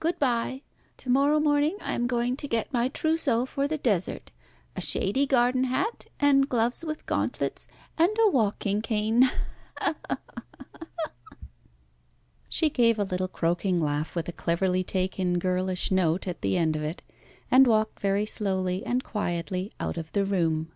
Good bye. To morrow morning I am going to get my trousseau for the desert, a shady garden hat, and gloves with gauntlets, and a walking cane." She gave a little croaking laugh with a cleverly taken girlish note at the end of it, and walked very slowly and quietly out of the room.